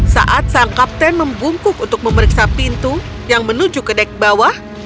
saat sang kapten membungkuk untuk memeriksa pintu yang menuju ke dek bawah